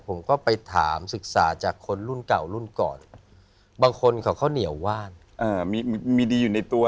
ผมก็ไปถามศึกษาจากคนรุ่นเก่ารุ่นก่อนบางคนเขาเหนียวว่านมีดีอยู่ในตัว